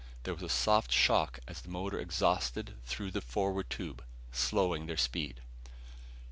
There was a soft shock as the motor exhausted through the forward tube, slowing their speed.